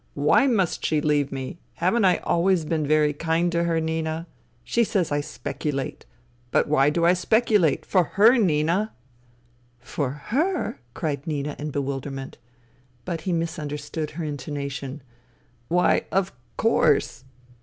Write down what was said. " Why must she leave me ? Haven't I always been very kind to her, Nina ? She says I specu late. But why do I speculate ? For her^ Nina." " For her !" cried Nina in bewilderment. But he misunderstood her intonation. " Why, of course